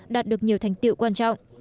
đạt được nhiều thành tiệu quan trọng